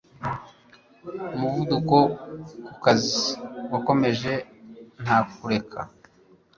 Umuvuduko ku kazi wakomeje nta kureka